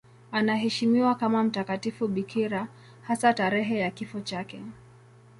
Anaheshimiwa kama mtakatifu bikira, hasa tarehe ya kifo chake.